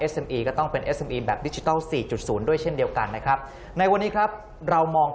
สวัสดีครับ